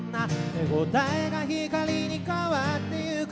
「手応えが光に変わっていく」